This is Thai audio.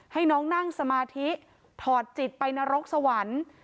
ให้น้องนั่งสมาธิถอดจิตไปนรกสวรรค์